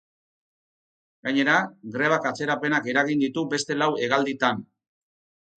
Gainera, grebak atzerapenak eragin ditu beste lau hegalditan.